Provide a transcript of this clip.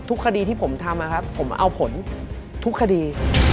คดีที่ผมทำนะครับผมเอาผลทุกคดี